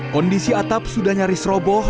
kondisi atap sudah nyaris roboh